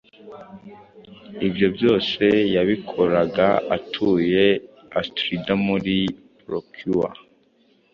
Ibyo byose yabikoraga atuye Astrida muri Procure.